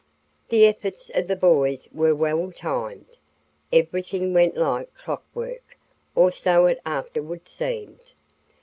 The efforts of the boys were well timed. Everything went like clockwork, or so it afterward seemed.